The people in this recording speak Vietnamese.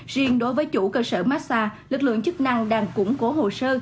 riêng đối với chủ cơ sở massage lực lượng chức năng đang củng cố hồ sơ